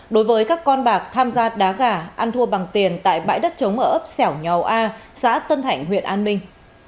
đối với các con bạc tham gia đá gà ăn thua bằng tiền tại bãi đất chống ở ấp sẻo nhòa a xã tân thảnh huyện an minh